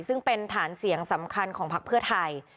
ซึ่งเป็นฐานเสียงสำคัญของพักเพื่อไทย